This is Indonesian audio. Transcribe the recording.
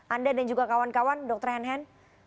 anda dan juga kawan kawan dr henhen